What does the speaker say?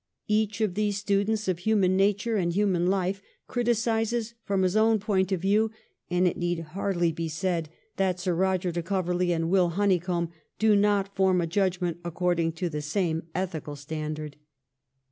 Each of these students of human nature and human life criticises from his own point of view, and it need hardly be said that Sir Eoger de Coverley and Will Honeycomb do not form a judgment according to the same ethical standard.